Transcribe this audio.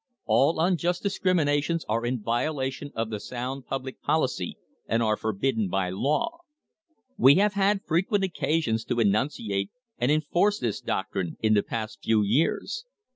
All unjust discriminations are in violation of the sound public policy, and are forbidden by law. We have had frequent occasions to enunciate and enforce this doctrine in the past few years.